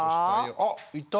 あっいた。